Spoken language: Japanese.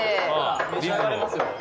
召し上がれますよ。